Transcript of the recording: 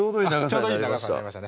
ちょうどいい長さになりましたね